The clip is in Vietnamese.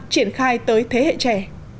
chuyển khai tới thế hệ trẻ